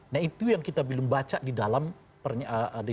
nah itu yang kita belum baca di dalam penjara